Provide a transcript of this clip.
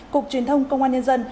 cục truyền thông công an nhân dân